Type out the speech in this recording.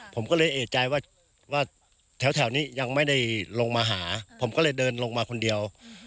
ผมก็เลยเอกใจว่าแถวนี้ยังไม่ได้ลงมาหาผมก็เลยเดินลงมาคนเดียว